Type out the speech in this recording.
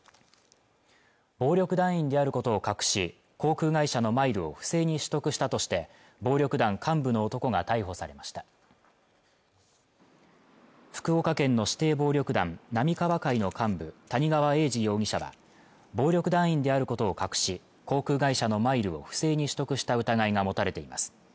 暴力団員であることを隠し航空会社のマイルを不正に取得したとして暴力団幹部の男が逮捕されました福岡県の指定暴力団・浪川会の幹部谷川英司容疑者ら暴力団員であることを隠し航空会社のマイルを不正に取得した疑いが持たれています